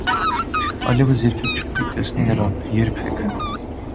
այլևս երբեք չպիտի տեսնի նրան, երբե՛ք: